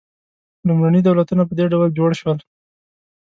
لومړني دولتونه په دې ډول جوړ شول.